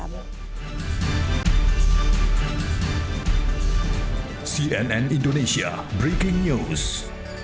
jangan lupa subscribe channel ini dan berlangganan juga di instagram